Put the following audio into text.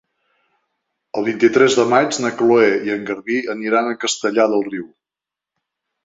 El vint-i-tres de maig na Cloè i en Garbí aniran a Castellar del Riu.